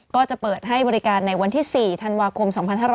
ก็จะเปิดให้บริการในวันที่๔ธันวาคม๒๕๕๙